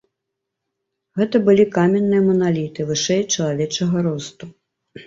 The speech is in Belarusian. Гэта былі каменныя маналіты вышэй чалавечага росту.